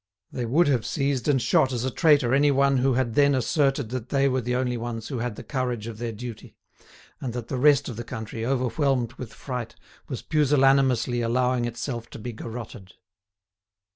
They would have seized and shot as a traitor any one who had then asserted that they were the only ones who had the courage of their duty, and that the rest of the country, overwhelmed with fright, was pusillanimously allowing itself to be garrotted.